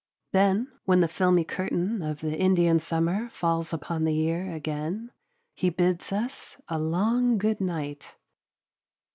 Then when the filmy curtain of the Indian summer falls upon the year again, he bids us a long good night.